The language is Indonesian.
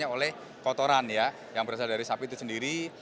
oleh kotoran ya yang berasal dari sapi itu sendiri